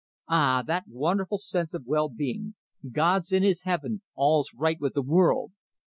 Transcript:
Ah, that wonderful sense of well being! "God's in His Heaven, all's right with the world!"